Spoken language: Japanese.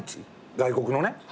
外国のね。